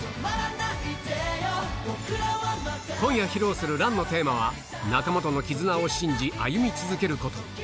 今夜披露するＲＵＮのテーマは、仲間との絆を信じ、歩み続けること。